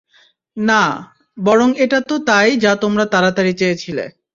না, বরং এটা তো তাই যা তোমরা তাড়াতাড়ি চেয়েছিলে।